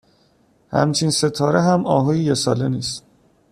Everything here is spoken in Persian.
همچین ستاره هم آهوی یه ساله نیس